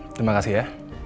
terima kasih ya